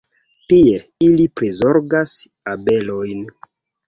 Tie, ili prizorgas abelojn.